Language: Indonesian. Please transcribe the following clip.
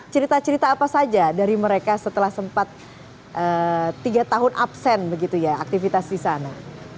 cerita cerita apa saja dari mereka setelah sempat tiga tahun absen begitu ya aktivitas di sana